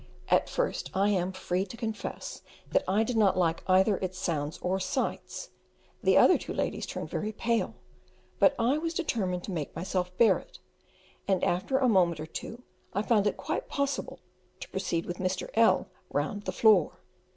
At first I am "free to confess" that I did not like either its sounds or sights; the other two ladies turned very pale, but I was determined to make myself bear it, and after a moment or two I found it quite possible to proceed with Mr. L round the "floor."